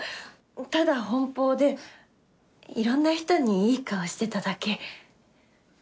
ただ奔放でいろんな人にいい顔してただけ。